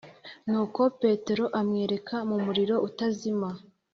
nuko petero amwereka mu mumuliro utazima,